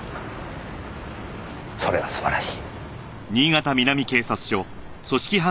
それは素晴らしい。